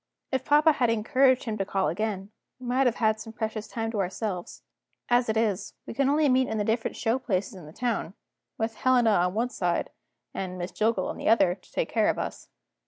If papa had encouraged him to call again, we might have had some precious time to ourselves. As it is, we can only meet in the different show places in the town with Helena on one side, and Miss Jillgall on the other, to take care of us.